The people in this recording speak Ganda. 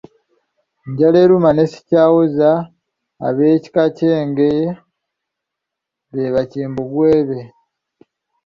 Njaleeruma ne Sikyawoza ab'ekika ky'Engeye be Bakimbugwe be.